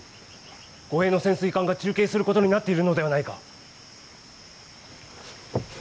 護衛の潜水艦が中継することになっているのではないか。